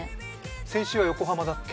先週は横浜だっけ？